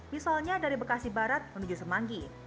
misalnya dari bekasi barat menuju semanggi